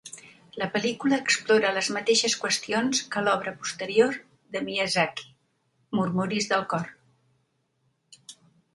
La pel·lícula explora les mateixes qüestions que l'obra posterior de Miyazaki Murmuris del cor.